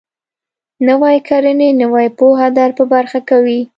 نويې کړنې نوې پوهه در په برخه کوي.